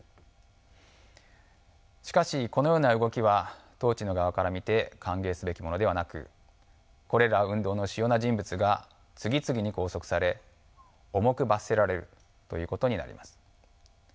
しかしこのような動きは統治の側から見て歓迎すべきものではなくこれら運動の主要な人物が次々に拘束され重く罰せられるということになります。